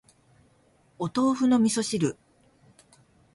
お豆腐の味噌汁